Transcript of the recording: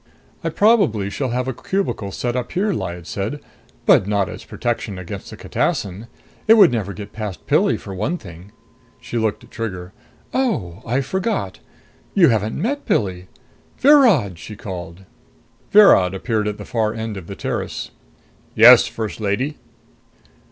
"I probably shall have a cubicle set up here," Lyad said. "But not as protection against a catassin. It would never get past Pilli, for one thing." She looked at Trigger. "Oh, I forgot. You haven't met Pilli. Virod!" she called. Virod appeared at the far end of the terrace. "Yes, First Lady?"